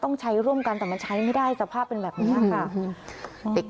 ต้องใช้ร่วมกันแต่มันใช้ไม่ได้สภาพเป็นแบบนี้ค่ะ